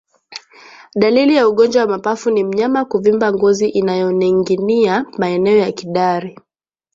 Dalili ya ugonjwa wa mapafu ni mnyama kuvimba ngozi inayoninginia maeneo ya kidari